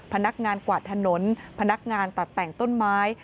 พนักงานกวาดถนนพนักงานตัดแต่งต้นไม้